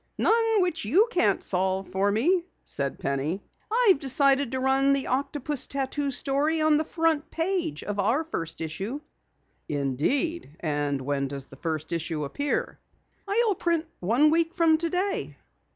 "None which you can't solve for me," said Penny. "I've decided to run the octopus tattoo story on the front page of our first issue." "Indeed? And when does the first issue appear?" "I'll print one week from today."